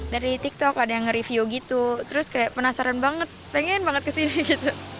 dari tiktok ada yang nge review gitu terus kayak penasaran banget pengen banget kesini gitu